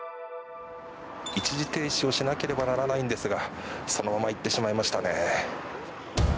一時停止をしなければならないのですがそのまま行ってしまいましたね。